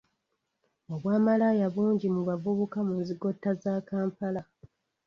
Obwamalaaya bungi mu bavubuka mu nzigotta za Kampala.